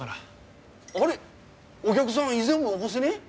お客さん以前もお越しに？